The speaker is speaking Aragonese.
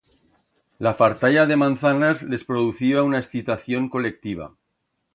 La fartalla de manzanas les produciba una excitación colectiva.